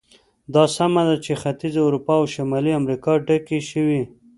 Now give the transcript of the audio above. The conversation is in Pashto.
دا سمه ده چې ختیځه اروپا او شمالي امریکا ډکې شوې.